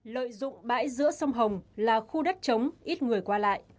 lợi dụng bãi giữa sông hồng là khu đất chống ít người qua lại